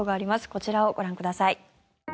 こちらをご覧ください。